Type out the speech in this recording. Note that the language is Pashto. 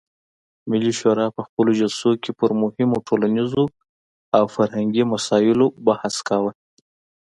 ملي شورا په خپلو جلسو کې پر مهمو ټولنیزو او فرهنګي مسایلو بحث کاوه.